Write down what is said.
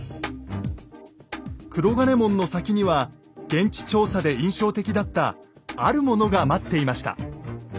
黒金門の先には現地調査で印象的だったあるものが待っていました。